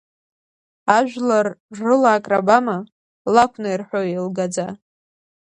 Ажәлар рыла акрабама Лакәны ирҳәо еилгаӡа?